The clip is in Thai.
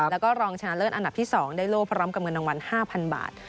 แล้วก็รองชนะเลิศอันดับที่๒ได้โลกพร้อมกับเงินรางวัล๕๐๐๐บาท